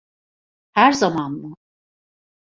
Her zaman mı?